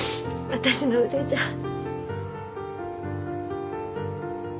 私の腕じゃ。